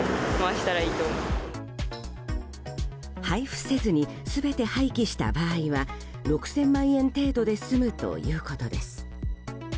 配布せずに全て廃棄した場合は６０００万円程度で済むということです。